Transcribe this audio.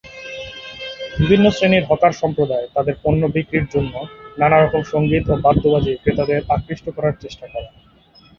বিভিন্ন শ্রেনীর হকার সম্প্রদায় তাদের পণ্য বিক্রির জন্য নানা রকম সংগীত ও বাদ্য বাজিয়ে ক্রেতাদের আকৃষ্ট করার চেষ্টা করেন।